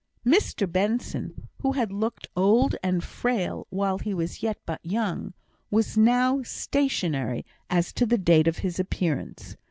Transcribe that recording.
Mr Benson, who had looked old and frail while he was yet but young, was now stationary as to the date of his appearance.